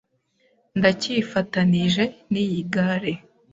Ndacyifatanije niyi gare.